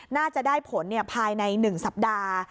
น่าจะได้ผลเนี้ยภายในหนึ่งสัปดาห์